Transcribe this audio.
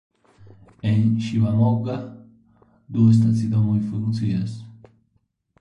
En Ŝivamogga du stacidomoj funkcias.